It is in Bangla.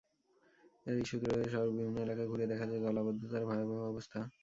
এরই সূত্র ধরে শহরের বিভিন্ন এলাকা ঘুরে দেখা যায় জলাবদ্ধতার ভয়াবহ অবস্থা।